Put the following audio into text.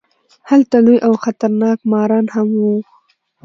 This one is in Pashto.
هلته لوی او خطرناک ماران هم وو.